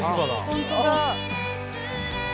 本当だ。